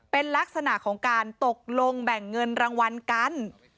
เป็นลักษณะของการตกลงแบ่งเงินรางวัลกัน